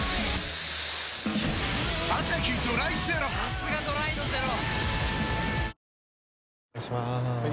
さすがドライのゼロ！